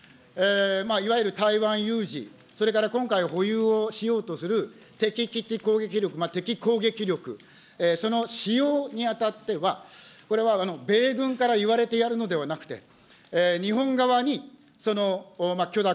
いわゆる台湾有事、それから今回保有を使用とする敵基地攻撃力、敵攻撃力、その使用にあたっては、これは米軍からいわれてやるのではなくて、日本側にその許諾、